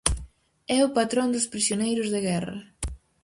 É o patrón dos prisioneiros de guerra.